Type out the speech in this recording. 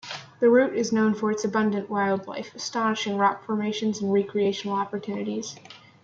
The route is known for its abundant wildlife, astonishing rock formations, and recreational opportunities.